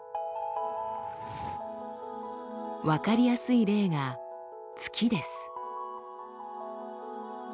分かりやすい例が月です。